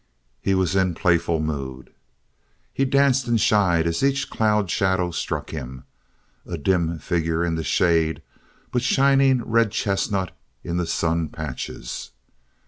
He was in playful mood. He danced and shied as each cloud shadow struck him, a dim figure in the shade but shining red chestnut in the sun patches.